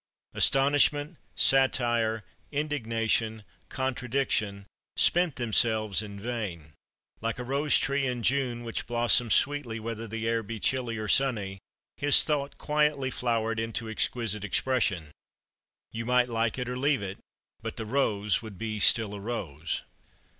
Astonishment, satire, indignation, contradiction, spent themselves in vain. Like a rose tree in June, which blossoms sweetly whether the air be chilly or sunny, his thought quietly flowered into exquisite expression. You might like it or leave it. But the rose would be still a rose.